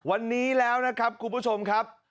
วันนี้แล้วนะครับคุณผู้ชมครับ